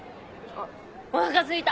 おなかすいた！